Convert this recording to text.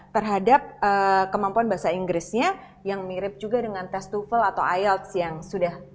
terhadap kemampuan bahasa inggrisnya yang mirip juga dengan test dua atau iots yang sudah